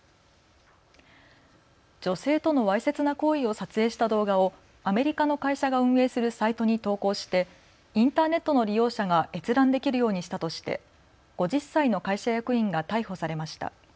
女性とのわいせつな行為を撮影した動画をアメリカの会社が運営するサイトに投稿してインターネットの利用者が閲覧できるようにしたとして５０歳の会社役員が逮捕されました。